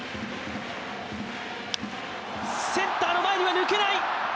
センターの前には抜けない！